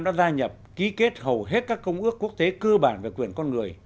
đã gia nhập ký kết hầu hết các công ước quốc tế cơ bản về quyền con người